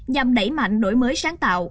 nhằm đẩy mạnh nổi mới sáng tạo